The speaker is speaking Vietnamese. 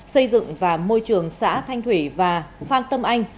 xây dựng và môi trường xã thanh thủy và phan tâm anh